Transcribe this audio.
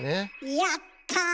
やった！